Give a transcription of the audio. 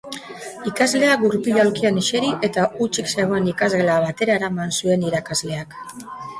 Ikaslea gurpil-aulkian eseri eta hutsik zegoen ikasgela batera eraman zuen irakasleak.